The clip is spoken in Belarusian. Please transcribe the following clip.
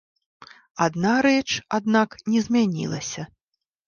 Адна рэч, аднак, не змянілася.